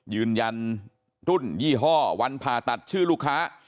ยืนยันรุ่นยี่ห้อวันผ่าตัดชื่อลูกค้า